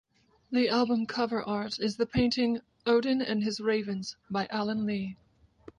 The album cover art is the painting "Odin and His Ravens" by Alan Lee.